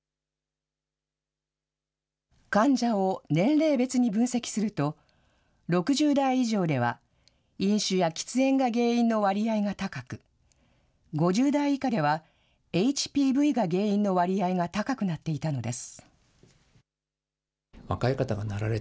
患者を年齢別に分析すると、６０代以上では飲酒や喫煙が原因の割合が高く、５０代以下ではＨＰＶが原因の割合が高くなっていたのです。